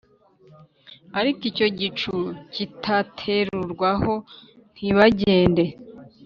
Ariko icyo gicu kitaterurwaho ntibagende